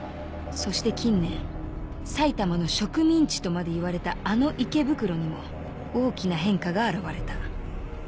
そして近年埼玉の植民地とまでいわれたあの池袋にも大きな変化が現れた。